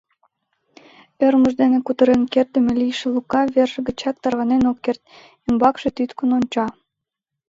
Ӧрмыж дене кутырен кертдыме лийше Лука верже гычат тарванен ок керт, ӱмбакше тӱткын онча.